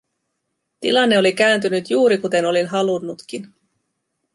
Tilanne oli kääntynyt juuri, kuten olin halunnutkin.